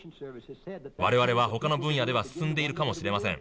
我々はほかの分野では進んでいるかもしれません。